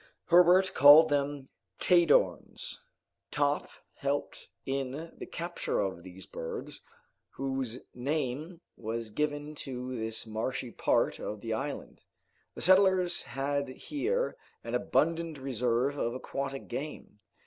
Herbert called them tadorns. Top helped in the capture of these birds, whose name was given to this marshy part of the island. The settlers had here an abundant reserve of aquatic game.